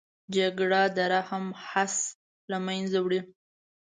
جګړه د رحم حس له منځه وړي